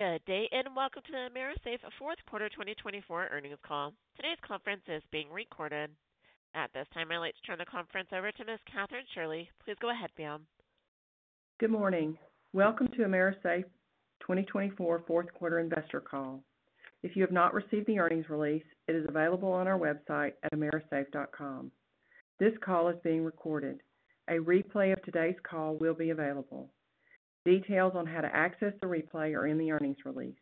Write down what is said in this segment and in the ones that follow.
Good day and welcome to the AMERISAFE Fourth Quarter 2024 Earnings Call. Today's conference is being recorded. At this time, I'd like to turn the conference over to Ms. Kathryn Shirley. Please go ahead, ma'am. Good morning. Welcome to AMERISAFE fourth quarter investor call. If you have not received the earnings release, it is available on our website at amerisafe.com. This call is being recorded. A replay of today's call will be available. Details on how to access the replay are in the earnings release.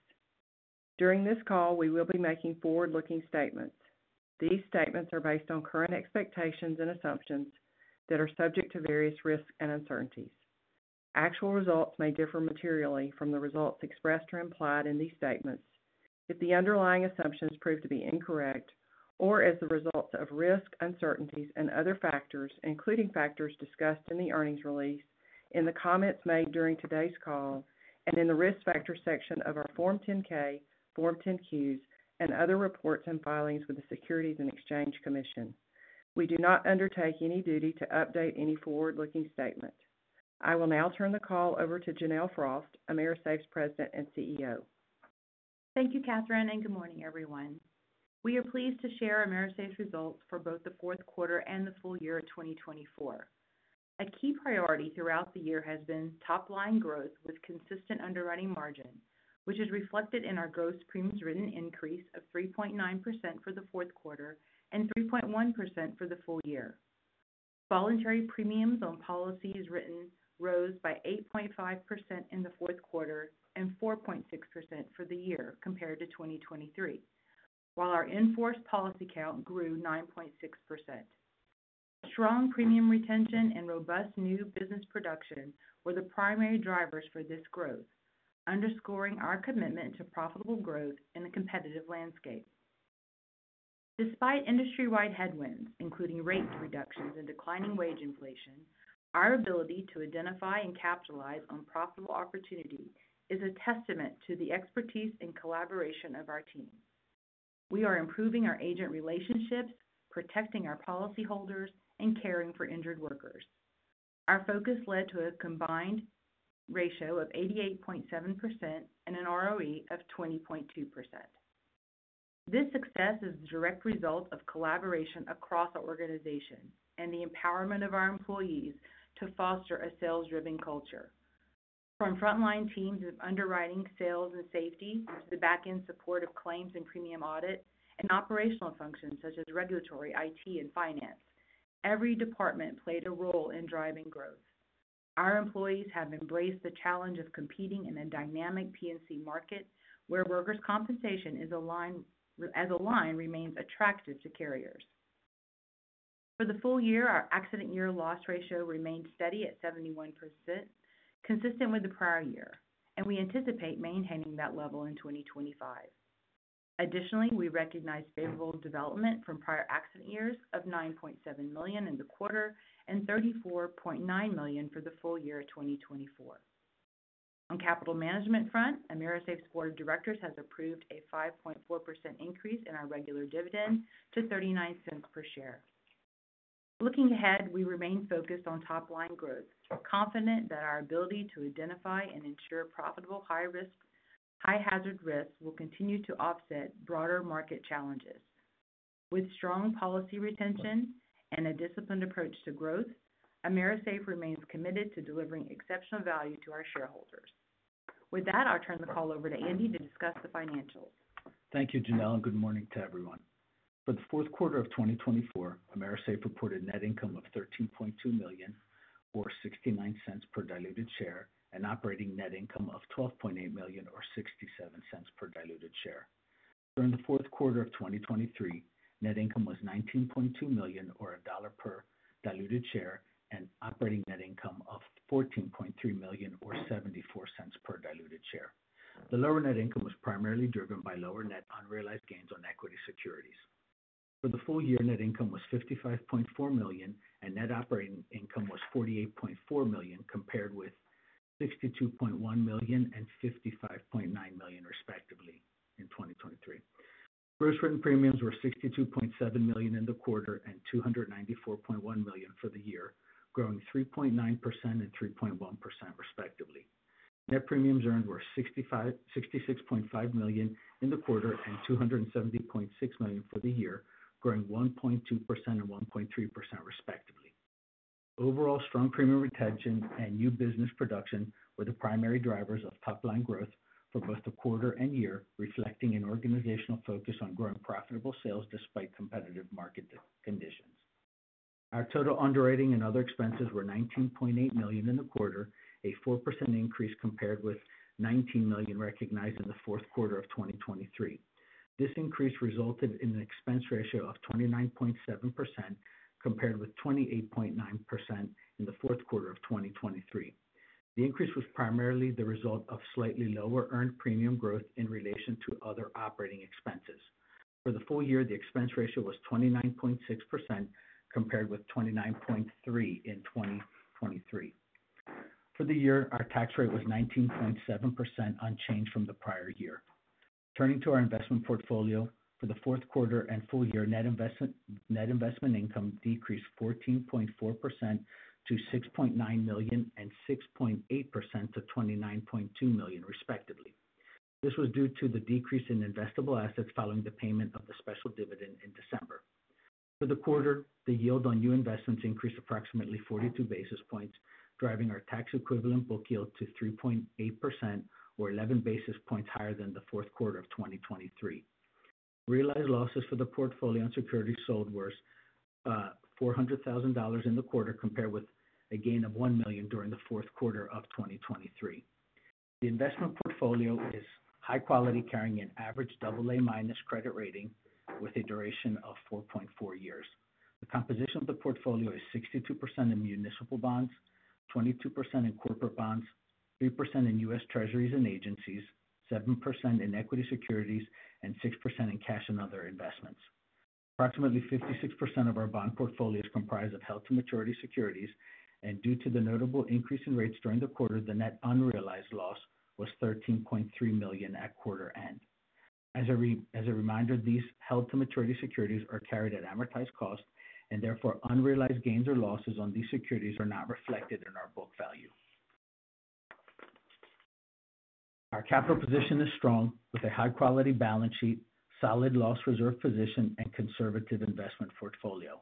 During this call, we will be making forward-looking statements. These statements are based on current expectations and assumptions that are subject to various risks and uncertainties. Actual results may differ materially from the results expressed or implied in these statements if the underlying assumptions prove to be incorrect, or as a result of risks, uncertainties, and other factors, including factors discussed in the earnings release, in the comments made during today's call, and in the risk factor section of our Form 10-K, Form 10-Qs, and other reports and filings with the Securities and Exchange Commission. We do not undertake any duty to update any forward-looking statement. I will now turn the call over to Janelle Frost, AMERISAFE's President and CEO. Thank you, Kathryn, and good morning, everyone. We are pleased to share AMERISAFE's results for both the fourth quarter and the full year of 2024. A key priority throughout the year has been top-line growth with consistent underwriting margin, which is reflected in our gross premiums written increase of 3.9% for the fourth quarter and 3.1% for the full year. Voluntary premiums on policies written rose by 8.5% in the fourth quarter and 4.6% for the year compared to 2023, while our in-force policy count grew 9.6%. Strong premium retention and robust new business production were the primary drivers for this growth, underscoring our commitment to profitable growth in a competitive landscape. Despite industry-wide headwinds, including rate reductions and declining wage inflation, our ability to identify and capitalize on profitable opportunity is a testament to the expertise and collaboration of our team. We are improving our agent relationships, protecting our policyholders, and caring for injured workers. Our focus led to a combined ratio of 88.7% and an ROE of 20.2%. This success is a direct result of collaboration across our organization and the empowerment of our employees to foster a sales-driven culture. From front-line teams of underwriting, sales, and safety to the back-end support of claims and premium audit and operational functions such as regulatory, IT, and finance, every department played a role in driving growth. Our employees have embraced the challenge of competing in a dynamic P&C market where workers' compensation as a line remains attractive to carriers. For the full year, our accident-year loss ratio remained steady at 71%, consistent with the prior year, and we anticipate maintaining that level in 2025. Additionally, we recognize favorable development from prior accident years of $9.7 million in the quarter and $34.9 million for the full year of 2024. On the capital management front, AMERISAFE's Board of Directors has approved a 5.4% increase in our regular dividend to $0.39 per share. Looking ahead, we remain focused on top-line growth, confident that our ability to identify and insure profitable high-hazard risks will continue to offset broader market challenges. With strong policy retention and a disciplined approach to growth, AMERISAFE remains committed to delivering exceptional value to our shareholders. With that, I'll turn the call over to Andy to discuss the financials. Thank you, Janelle, and good morning to everyone. For the fourth quarter of 2024, AMERISAFE reported net income of $13.2 million, or $0.69 per diluted share, and operating net income of $12.8 million, or $0.67 per diluted share. During the fourth quarter of 2023, net income was $19.2 million, or $1 per diluted share, and operating net income of $14.3 million, or $0.74 per diluted share. The lower net income was primarily driven by lower net unrealized gains on equity securities. For the full year, net income was $55.4 million, and net operating income was $48.4 million compared with $62.1 million and $55.9 million, respectively, in 2023. Gross written premiums were $62.7 million in the quarter and $294.1 million for the year, growing 3.9% and 3.1%, respectively. Net premiums earned were $66.5 million in the quarter and $270.6 million for the year, growing 1.2% and 1.3%, respectively. Overall, strong premium retention and new business production were the primary drivers of top-line growth for both the quarter and year, reflecting an organizational focus on growing profitable sales despite competitive market conditions. Our total underwriting and other expenses were $19.8 million in the quarter, a 4% increase compared with $19 million recognized in the fourth quarter of 2023. This increase resulted in an expense ratio of 29.7% compared with 28.9% in the fourth quarter of 2023. The increase was primarily the result of slightly lower earned premium growth in relation to other operating expenses. For the full year, the expense ratio was 29.6% compared with 29.3% in 2023. For the year, our tax rate was 19.7%, unchanged from the prior year. Turning to our investment portfolio, for the fourth quarter and full year, net investment income decreased 14.4% to $6.9 million and 6.8% to $29.2 million, respectively. This was due to the decrease in investable assets following the payment of the special dividend in December. For the quarter, the yield on new investments increased approximately 42 basis points, driving our tax-equivalent book yield to 3.8%, or 11 basis points higher than the fourth quarter of 2023. Realized losses for the portfolio and securities sold were $400,000 in the quarter compared with a gain of $1 million during the fourth quarter of 2023. The investment portfolio is high quality, carrying an average AA- credit rating with a duration of 4.4 years. The composition of the portfolio is 62% in municipal bonds, 22% in corporate bonds, 3% in U.S. Treasuries and agencies, 7% in equity securities, and 6% in cash and other investments. Approximately 56% of our bond portfolio is comprised of held-to-maturity securities, and due to the notable increase in rates during the quarter, the net unrealized loss was $13.3 million at quarter end. As a reminder, these held-to-maturity securities are carried at amortized cost, and therefore, unrealized gains or losses on these securities are not reflected in our book value. Our capital position is strong with a high-quality balance sheet, solid loss reserve position, and conservative investment portfolio.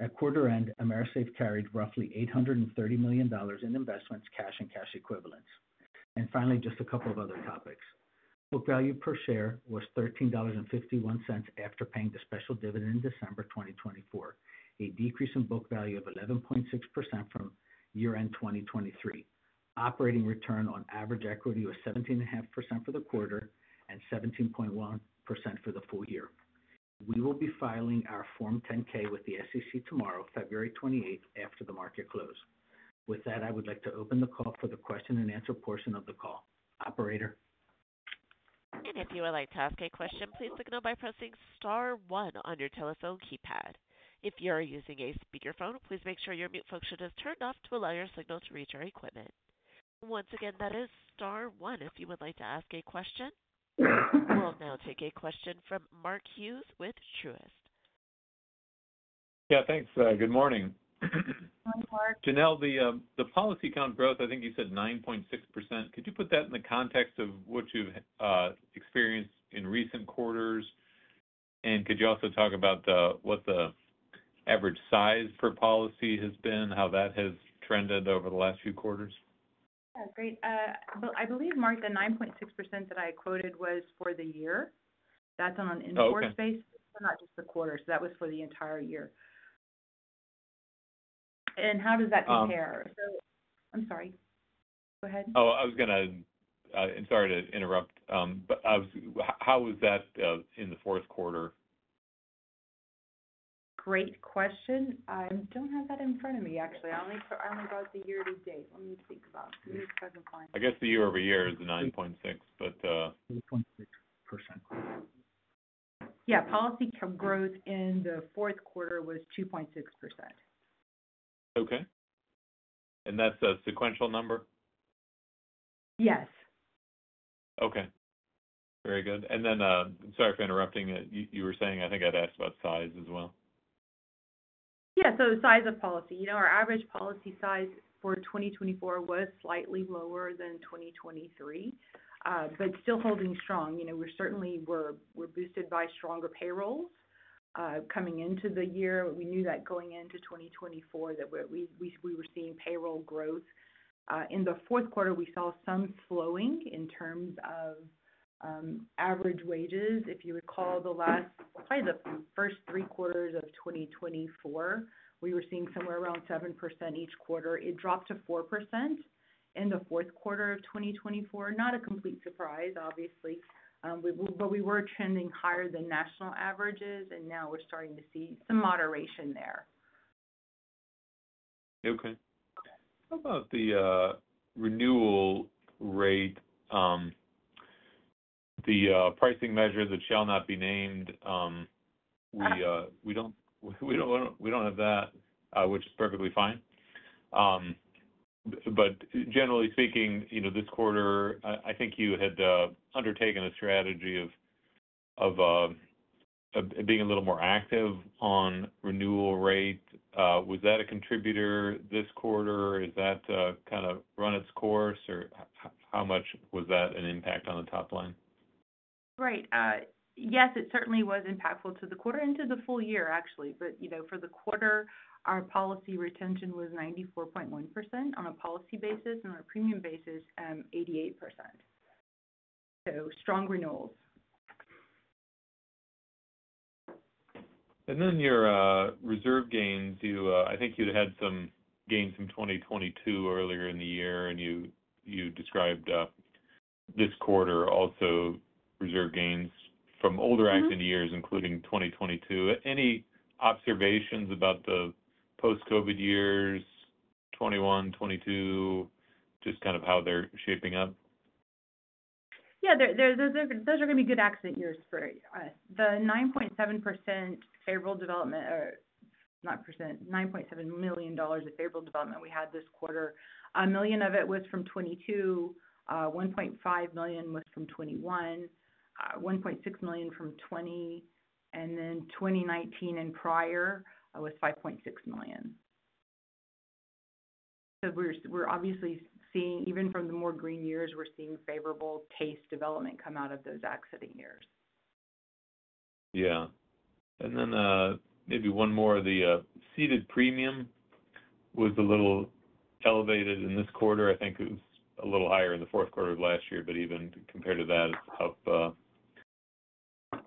At quarter end, AMERISAFE carried roughly $830 million in investments, cash and cash equivalents. And finally, just a couple of other topics. Book value per share was $13.51 after paying the special dividend in December 2024, a decrease in book value of 11.6% from year-end 2023. Operating return on average equity was 17.5% for the quarter and 17.1% for the full year. We will be filing our Form 10-K with the SEC tomorrow, February 28th, after the market closes. With that, I would like to open the call for the question-and-answer portion of the call. Operator. And if you would like to ask a question, please signal by pressing star one on your telephone keypad. If you are using a speakerphone, please make sure your mute function is turned off to allow your signal to reach our equipment. Once again, that is star one. If you would like to ask a question, we'll now take a question from Mark Hughes with Truist. Yeah, thanks. Good morning. Hi, Mark. Janelle, the policy count growth, I think you said 9.6%. Could you put that in the context of what you've experienced in recent quarters? And could you also talk about what the average size per policy has been, how that has trended over the last few quarters? Yeah, great. I believe, Mark, the 9.6% that I quoted was for the year. That's on an accident-year basis, not just the quarter. So that was for the entire year. And how does that compare? I'm sorry. Go ahead. Oh, I was going to, I'm sorry to interrupt, but how was that in the fourth quarter? Great question. I don't have that in front of me, actually. I only got the year-to-date. Let me think about it. Let me see if I can find it. I guess the year-over-year is the 9.6, but. 2.6%. Yeah, policy count growth in the fourth quarter was 2.6%. Okay, and that's a sequential number? Yes. Okay. Very good. And then sorry for interrupting. You were saying I think I'd asked about size as well. Yeah, so size of policy. Our average policy size for 2024 was slightly lower than 2023, but still holding strong. We certainly were boosted by stronger payrolls coming into the year. We knew that going into 2024 that we were seeing payroll growth. In the fourth quarter, we saw some slowing in terms of average wages. If you recall, the last, probably the first three quarters of 2024, we were seeing somewhere around 7% each quarter. It dropped to 4% in the fourth quarter of 2024. Not a complete surprise, obviously, but we were trending higher than national averages, and now we're starting to see some moderation there. Okay. How about the renewal rate? The pricing measure that shall not be named, we don't have that, which is perfectly fine. But generally speaking, this quarter, I think you had undertaken a strategy of being a little more active on renewal rate. Was that a contributor this quarter? Has that kind of run its course? Or how much was that an impact on the top line? Right. Yes, it certainly was impactful to the quarter and to the full year, actually. But for the quarter, our policy retention was 94.1% on a policy basis, and on a premium basis, 88%. So strong renewals. And then your reserve gains, I think you'd had some gains from 2022 earlier in the year, and you described this quarter also reserve gains from older accident years, including 2022. Any observations about the post-COVID years, 2021, 2022, just kind of how they're shaping up? Yeah, those are going to be good accident years for us. The 9.7% favorable development, or not percent, $9.7 million of favorable development we had this quarter. $1 million of it was from 2022. $1.5 million was from 2021. $1.6 million from 2020. And then 2019 and prior was $5.6 million. So we're obviously seeing, even from the more recent years, we're seeing favorable development come out of those accident years. Yeah. And then maybe one more. The ceded premium was a little elevated in this quarter. I think it was a little higher in the fourth quarter of last year, but even compared to that, it's up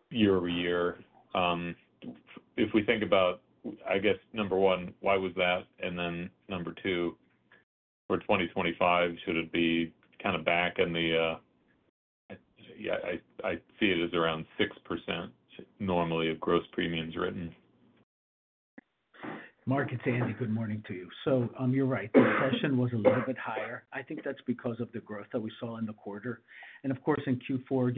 year-over-year. If we think about, I guess, number one, why was that? And then number two, for 2025, should it be kind of back in the—yeah, I see it as around 6% normally of gross premiums written. Mark it's Andy, good morning to you. So you're right. The cession was a little bit higher. I think that's because of the growth that we saw in the quarter. And of course, in Q4,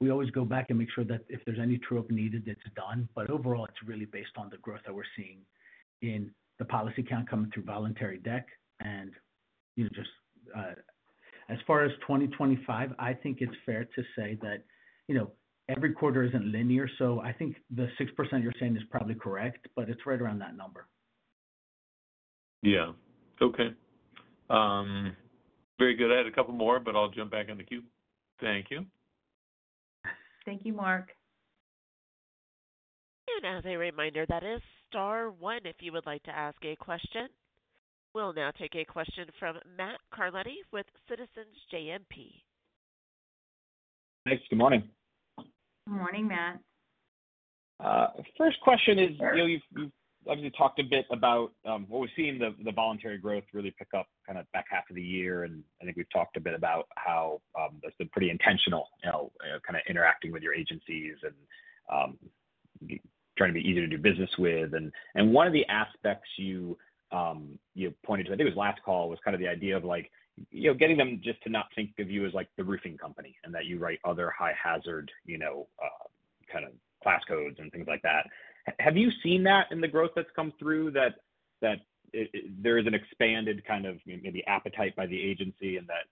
we always go back and make sure that if there's any true-up needed, it's done. But overall, it's really based on the growth that we're seeing in the policy count coming through voluntary direct and just as far as 2025, I think it's fair to say that every quarter isn't linear. So I think the 6% you're saying is probably correct, but it's right around that number. Yeah. Okay. Very good. I had a couple more, but I'll jump back in the queue. Thank you. Thank you, Mark. As a reminder, that star one if you would like to ask a question. We'll now take a question from Matt Carletti with Citizens JMP. Thanks. Good morning. Good morning, Matt. First question is, you've obviously talked a bit about what we're seeing the voluntary growth really pick up kind of back half of the year, and I think we've talked a bit about how that's been pretty intentional, kind of interacting with your agencies and trying to be easier to do business with, and one of the aspects you pointed to, I think it was last call, was kind of the idea of getting them just to not think of you as the roofing company and that you write other high-hazard kind of class codes and things like that. Have you seen that in the growth that's come through, that there is an expanded kind of maybe appetite by the agency and that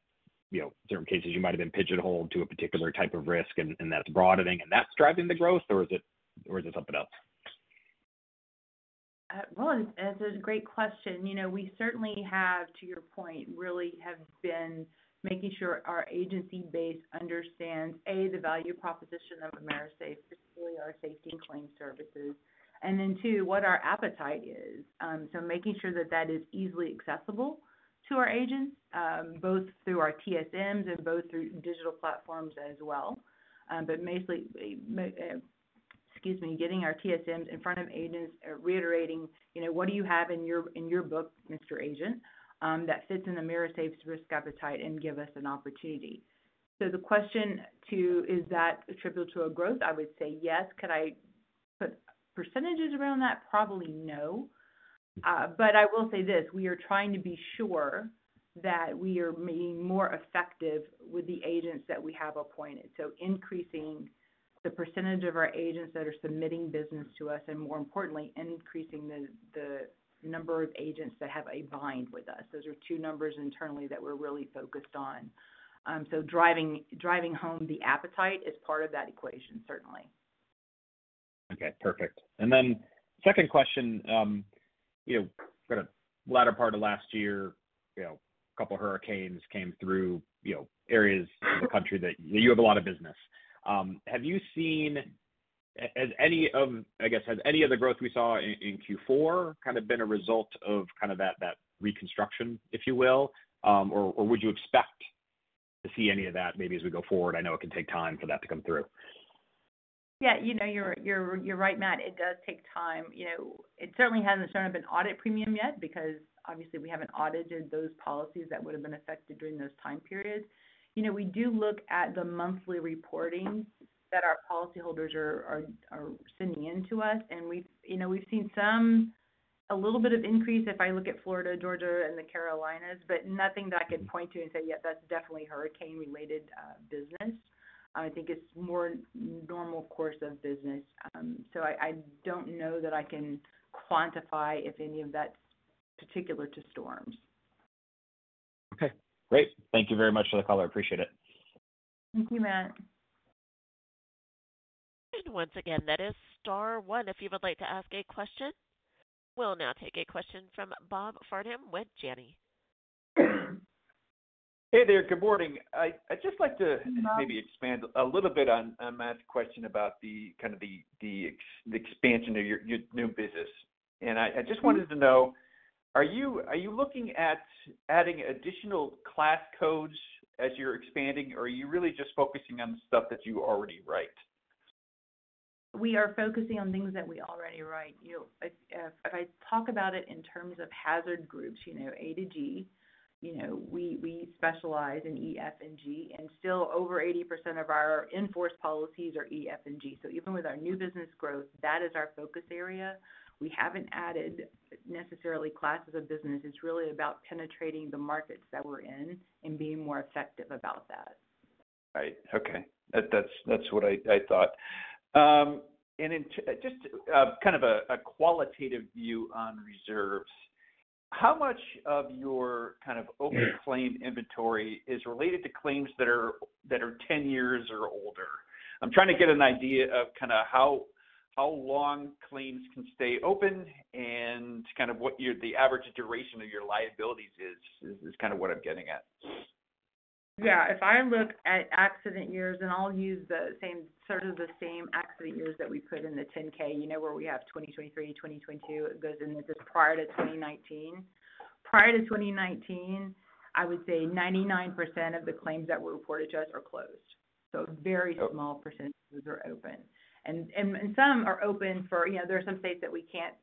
in certain cases, you might have been pigeonholed to a particular type of risk and that's broadening and that's driving the growth, or is it something else? That's a great question. We certainly have, to your point, really have been making sure our agency base understands, A, the value proposition of AMERISAFE, particularly our safety and claim services, and then two, what our appetite is. Making sure that that is easily accessible to our agents, both through our TSMs and both through digital platforms as well. Excuse me, getting our TSMs in front of agents, reiterating, "What do you have in your book, Mr. Agent, that fits in AMERISAFE's risk appetite and give us an opportunity?" The question, too, is that attributable to growth? I would say yes. Could I put percentages around that? Probably no. I will say this. We are trying to be sure that we are being more effective with the agents that we have appointed. So increasing the percentage of our agents that are submitting business to us and, more importantly, increasing the number of agents that have a bind with us. Those are two numbers internally that we're really focused on. So driving home the appetite is part of that equation, certainly. Okay. Perfect. And then second question, kind of latter part of last year, a couple of hurricanes came through areas of the country that you have a lot of business. Have you seen, I guess, has any of the growth we saw in Q4 kind of been a result of kind of that reconstruction, if you will? Or would you expect to see any of that maybe as we go forward? I know it can take time for that to come through. Yeah. You're right, Matt. It does take time. It certainly hasn't shown up in audit premium yet because obviously, we haven't audited those policies that would have been affected during those time periods. We do look at the monthly reportings that our policyholders are sending into us, and we've seen a little bit of increase if I look at Florida, Georgia, and the Carolinas, but nothing that I could point to and say, "Yeah, that's definitely hurricane-related business." I think it's more normal course of business. So I don't know that I can quantify if any of that's particular to storms. Okay. Great. Thank you very much for the color. I appreciate it. Thank you, Matt. And once again, that star one. if you would like to ask a question, we'll now take a question from Bob Farnham with Janney. Hey there. Good morning. I'd just like to maybe expand a little bit on Matt's question about kind of the expansion of your new business. And I just wanted to know, are you looking at adding additional class codes as you're expanding, or are you really just focusing on the stuff that you already write? We are focusing on things that we already write. If I talk about it in terms of hazard groups, A to G, we specialize in E, F, and G. And still, over 80% of our in-force policies are E, F, and G. So even with our new business growth, that is our focus area. We haven't added necessarily classes of business. It's really about penetrating the markets that we're in and being more effective about that. Right. Okay. That's what I thought. And just kind of a qualitative view on reserves, how much of your kind of open claim inventory is related to claims that are 10 years or older? I'm trying to get an idea of kind of how long claims can stay open and kind of what the average duration of your liabilities is, kind of what I'm getting at. Yeah. If I look at accident years, and I'll use sort of the same accident years that we put in the 10-K, you know where we have 2023, 2022, it goes, and this is prior to 2019. Prior to 2019, I would say 99% of the claims that were reported to us are closed. So very small percentages are open. And some are open, for there are some states that we can't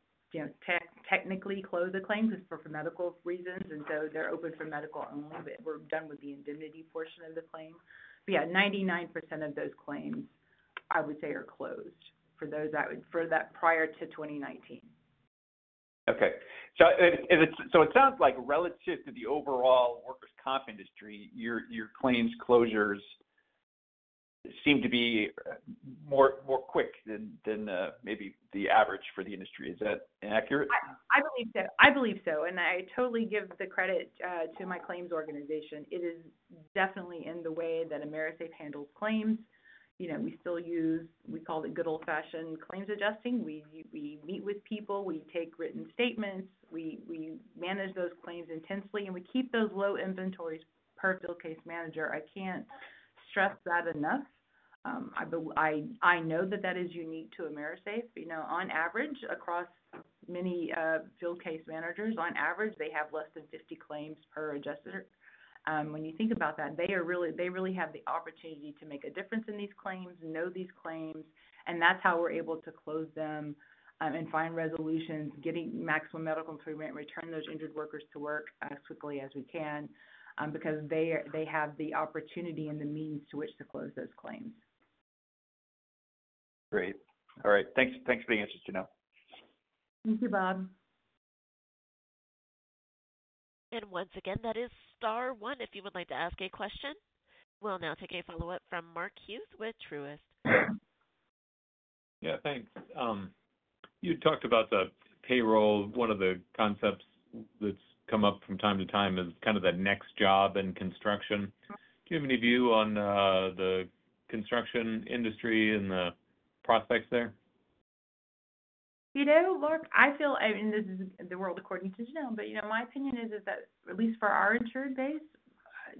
technically close the claims for medical reasons. And so they're open for medical only, but we're done with the indemnity portion of the claim. But yeah, 99% of those claims, I would say, are closed for those that were prior to 2019. Okay. So it sounds like relative to the overall workers' comp industry, your claims closures seem to be more quick than maybe the average for the industry. Is that accurate? I believe so, I believe so, and I totally give the credit to my claims organization. It is definitely in the way that AMERISAFE handles claims. We still use, we call it good old-fashioned claims adjusting. We meet with people. We take written statements. We manage those claims intensely, and we keep those low inventories per field case manager. I can't stress that enough. I know that that is unique to AMERISAFE. On average, across many field case managers, on average, they have less than 50 claims per adjuster. When you think about that, they really have the opportunity to make a difference in these claims, know these claims, and that's how we're able to close them and find resolutions, getting maximum medical improvement, and return those injured workers to work as quickly as we can because they have the opportunity and the means to which to close those claims. Great. All right. Thanks for the answers, Janelle. Thank you, Bob. Once again, that star one. if you would like to ask a question, we'll now take a follow-up from Mark Hughes with Truist. Yeah. Thanks. You talked about the payroll. One of the concepts that's come up from time to time is kind of the next job in construction. Do you have any view on the construction industry and the prospects there? You know, Mark, I feel, and this is the world according to Janelle, but my opinion is that at least for our insured base,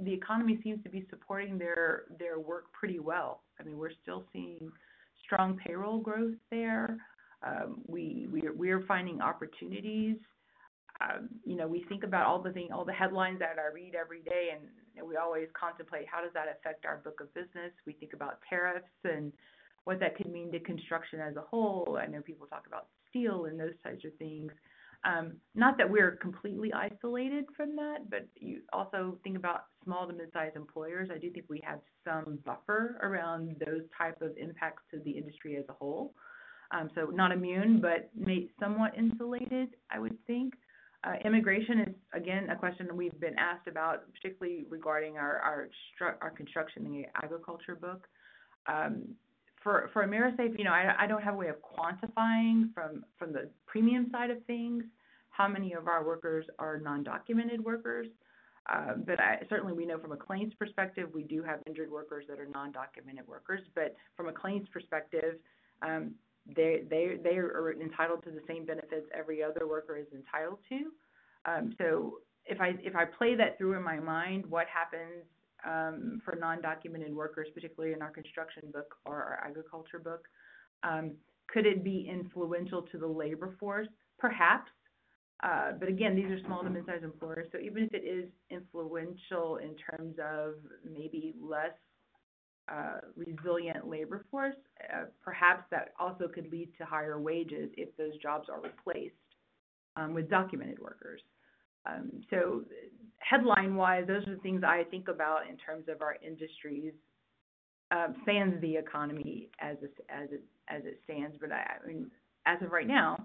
the economy seems to be supporting their work pretty well. I mean, we're still seeing strong payroll growth there. We are finding opportunities. We think about all the headlines that I read every day, and we always contemplate, "How does that affect our book of business?" We think about tariffs and what that could mean to construction as a whole. I know people talk about steel and those types of things. Not that we're completely isolated from that, but also think about small to mid-sized employers. I do think we have some buffer around those types of impacts to the industry as a whole. So not immune, but somewhat insulated, I would think. Immigration is, again, a question we've been asked about, particularly regarding our construction and agriculture book. For AMERISAFE, I don't have a way of quantifying from the premium side of things how many of our workers are non-documented workers. But certainly, we know from a claims perspective, we do have injured workers that are non-documented workers. But from a claims perspective, they are entitled to the same benefits every other worker is entitled to. So if I play that through in my mind, what happens for non-documented workers, particularly in our construction book or our agriculture book? Could it be influential to the labor force? Perhaps. But again, these are small to mid-sized employers. So even if it is influential in terms of maybe less resilient labor force, perhaps that also could lead to higher wages if those jobs are replaced with documented workers. Headline-wise, those are the things I think about in terms of our industry's stance on the economy as it stands. But I mean, as of right now,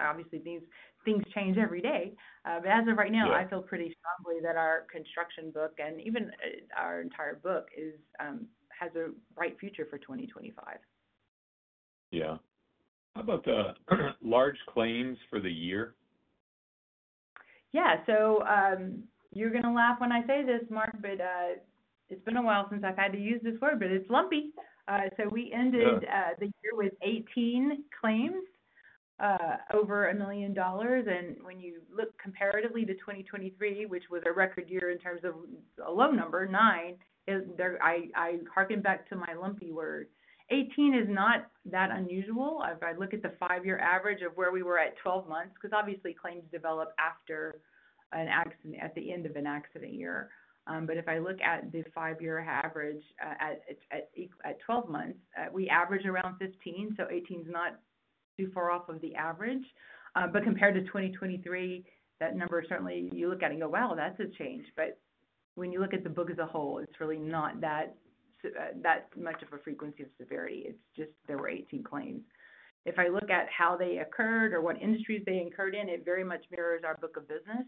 obviously, things change every day. But as of right now, I feel pretty strongly that our construction book and even our entire book has a bright future for 2025. Yeah. How about the large claims for the year? Yeah. So you're going to laugh when I say this, Mark, but it's been a while since I've had to use this word, but it's lumpy. So we ended the year with 18 claims over $1 million. And when you look comparatively to 2023, which was a record year in terms of a low number, nine, I hearken back to my lumpy word. 18 is not that unusual. If I look at the five-year average of where we were at 12 months because obviously, claims develop after an accident at the end of an accident year. But if I look at the five-year average at 12 months, we average around 15. So 18 is not too far off of the average. But compared to 2023, that number certainly, you look at it and go, "Wow, that's a change." But when you look at the book as a whole, it's really not that much of a frequency of severity. It's just there were 18 claims. If I look at how they occurred or what industries they incurred in, it very much mirrors our book of business.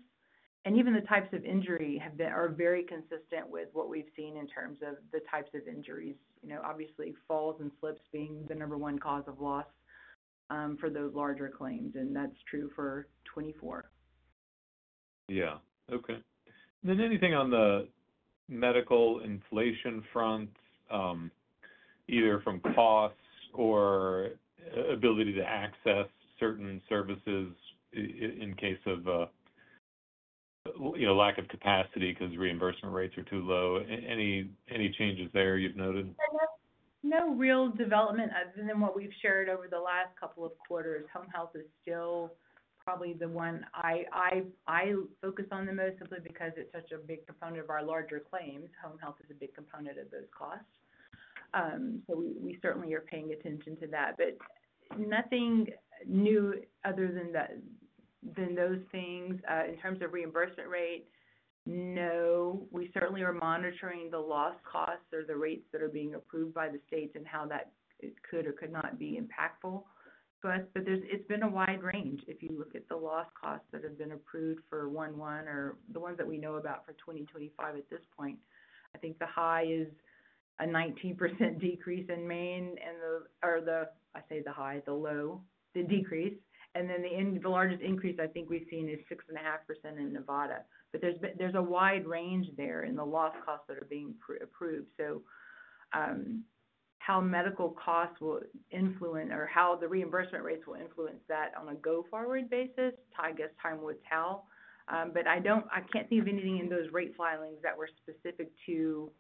And even the types of injury are very consistent with what we've seen in terms of the types of injuries, obviously, falls and slips being the number one cause of loss for the larger claims. And that's true for 2024. Yeah. Okay. Then anything on the medical inflation front, either from costs or ability to access certain services in case of lack of capacity because reimbursement rates are too low? Any changes there you've noted? No real development other than what we've shared over the last couple of quarters. Home health is still probably the one I focus on the most simply because it's such a big component of our larger claims. Home health is a big component of those costs. So we certainly are paying attention to that. But nothing new other than those things. In terms of reimbursement rate, no. We certainly are monitoring the loss costs or the rates that are being approved by the states and how that could or could not be impactful to us. But it's been a wide range. If you look at the loss costs that have been approved for 11 or the ones that we know about for 2025 at this point, I think the high is a 19% decrease in Maine and the I say the high, the low, the decrease. Then the largest increase I think we've seen is 6.5% in Nevada. There's a wide range there in the loss costs that are being approved. How medical costs will influence or how the reimbursement rates will influence that on a go-forward basis, I guess time would tell. I can't think of anything in those rate filings that were specific to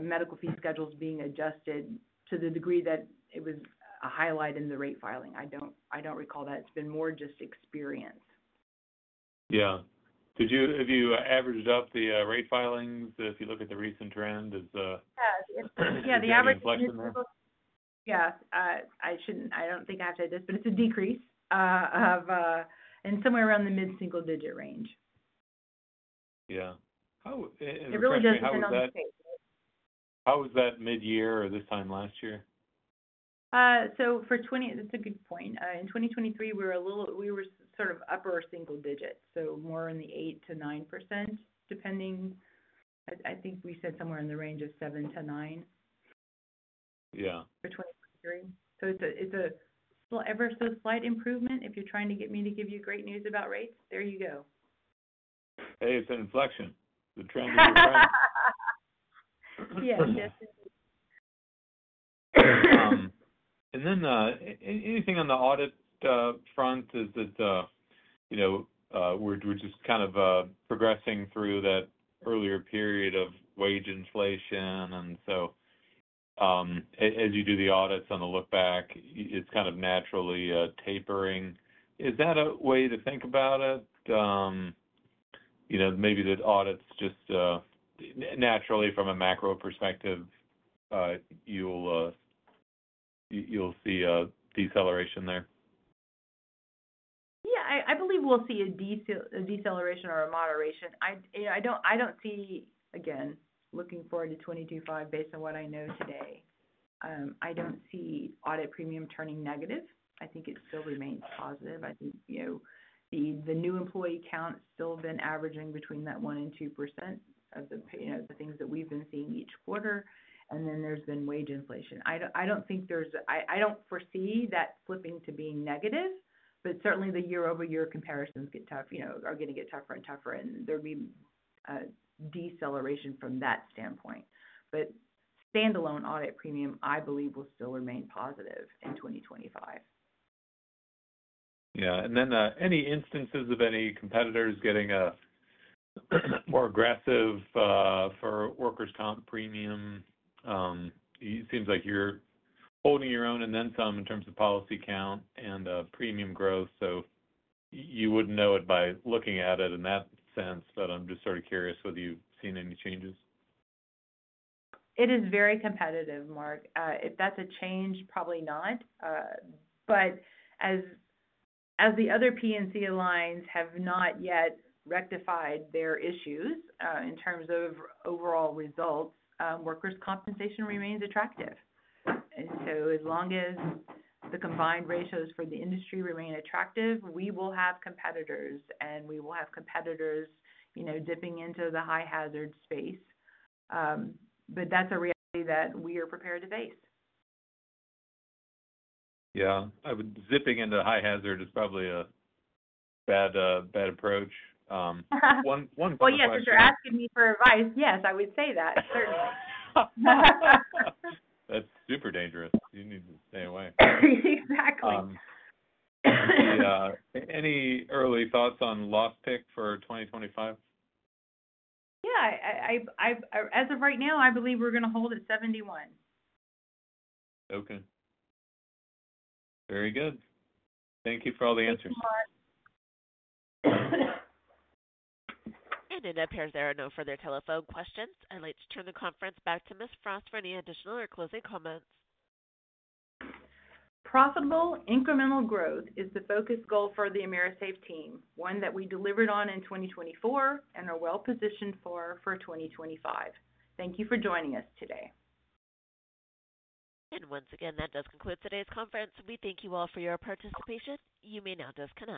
medical fee schedules being adjusted to the degree that it was a highlight in the rate filing. I don't recall that. It's been more just experience. Yeah. Have you averaged up the rate filings? If you look at the recent trend, is the... Yeah. The average is. I don't think I have to say this, but it's a decrease of somewhere around the mid-single-digit range. Yeah. How was that? It really doesn't come up. How was that mid-year or this time last year? So for 2023, that's a good point. In 2023, we were sort of upper single digits, so more in the 8-9%, depending. I think we said somewhere in the range of 7-9% for 2023. So it's a ever so slight improvement if you're trying to get me to give you great news about rates. There you go. Hey, it's an inflection. The trend is right. Yeah. Definitely. And then anything on the audit front? Is it that we're just kind of progressing through that earlier period of wage inflation? And so as you do the audits on the lookback, it's kind of naturally tapering. Is that a way to think about it? Maybe that audits just naturally from a macro perspective, you'll see a deceleration there? Yeah. I believe we'll see a deceleration or a moderation. I don't see, again, looking forward to 2025, based on what I know today, I don't see audit premium turning negative. I think it still remains positive. I think the new employee count has still been averaging between that 1% and 2% of the things that we've been seeing each quarter. And then there's been wage inflation. I don't think there's, I don't foresee that flipping to being negative, but certainly the year-over-year comparisons are going to get tougher and tougher, and there'll be a deceleration from that standpoint. But standalone audit premium, I believe, will still remain positive in 2025. Yeah. And then any instances of any competitors getting more aggressive for workers' comp premium? It seems like you're holding your own and then some in terms of policy count and premium growth. So you wouldn't know it by looking at it in that sense, but I'm just sort of curious whether you've seen any changes. It is very competitive, Mark. If that's a change, probably not. But as the other P&C lines have not yet rectified their issues in terms of overall results, workers' compensation remains attractive, and so as long as the combined ratios for the industry remain attractive, we will have competitors, and we will have competitors dipping into the high-hazard space, but that's a reality that we are prepared to face. Yeah. Dipping into high-hazard is probably a bad approach. One question. Yes. If you're asking me for advice, yes, I would say that. Certainly. That's super dangerous. You need to stay away. Exactly. Any early thoughts on loss pick for 2025? Yeah. As of right now, I believe we're going to hold at 71. Okay. Very good. Thank you for all the answers. It appears there are no further telephone questions. I'd like to turn the conference back to Ms. Frost for any additional or closing comments. Profitable incremental growth is the focus goal for the AMERISAFE team, one that we delivered on in 2024 and are well-positioned for 2025. Thank you for joining us today. And once again, that does conclude today's conference. We thank you all for your participation. You may now disconnect.